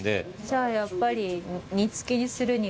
じゃあやっぱり。